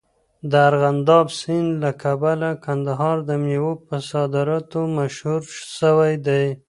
د ارغنداب سیند له کبله کندهار د میوو په صادراتو مشهور سوی دی.